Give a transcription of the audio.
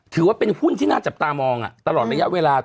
ถือว่าเป็นหุ้นที่น่าจับตามองตลอดระยะเวลา